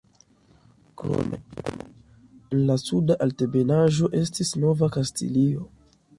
Krome, en la Suda Altebenaĵo estis Nova Kastilio.